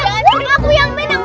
kena aku yang menang